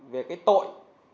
về cái tội